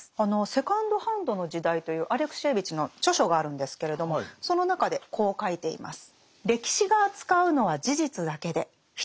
「セカンドハンドの時代」というアレクシエーヴィチの著書があるんですけれどもその中でこう書いています。